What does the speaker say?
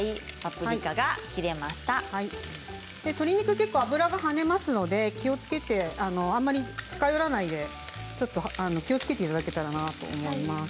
鶏肉の脂が跳ねますので気をつけてあんまり近寄らないでちょっと気をつけていただけたらなと思います。